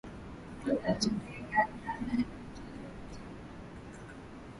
Argentina ilijivunia kipaji cha kipekee na mbwembwe za